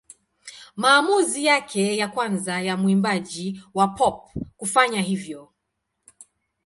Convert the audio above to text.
Maamuzi yake ya kwanza ya mwimbaji wa pop kufanya hivyo.